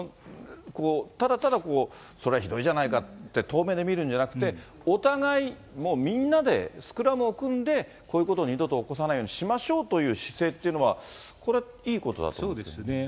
ただただ、それはひどいじゃないかって、遠目で見るんじゃなくて、お互い、もうみんなでスクラムを組んで、こういうことを二度と起こさないようにしましょうっていう姿勢っそうですね。